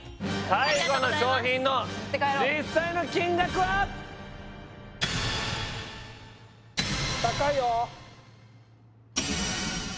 最後の商品の実際の金額は持って帰ろう高いよ